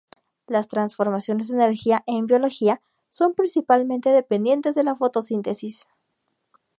Las transformaciones de energía en biología son principalmente dependientes de la fotosíntesis.